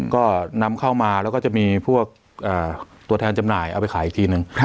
ก็นำเข้ามาแล้วก็จะมีพวกตัวแทนจำหน่ายเอาไปขายอีกทีนึง